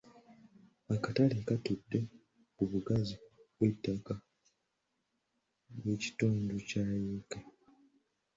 Akatale katudde ku bugazi bw'ettaka bwa kitundu kya yiika.